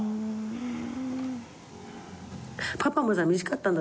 うん。